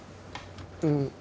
うん。